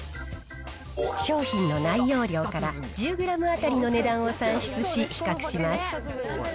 商品の内容量から１０グラム当たりの値段を算出し、比較します。